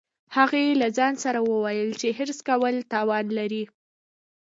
هغې له ځان سره وویل چې حرص کول تاوان لري